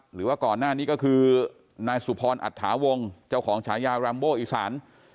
หรือว่าก่อนหน้านี้ก็คือนายสุพรอัตถาวงเจ้าของฉายาแรมโบอีสาน